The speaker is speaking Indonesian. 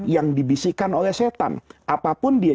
yang dibisikkan oleh setan apapun dia